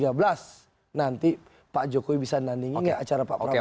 apakah pak jokowi bisa nandingin ya acara pak prabowo nanti